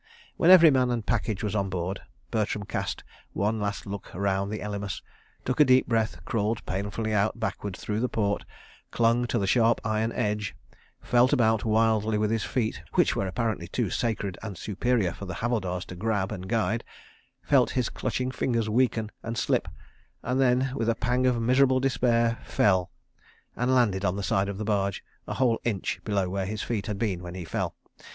When every man and package was on board, Bertram cast one last look around the Elymas, took a deep breath, crawled painfully out backwards through the port, clung to the sharp iron edge, felt about wildly with his feet which were apparently too sacred and superior for the Havildars to grab and guide, felt his clutching fingers weaken and slip, and then with a pang of miserable despair fell—and landed on the side of the barge a whole inch below where his feet had been when he fell.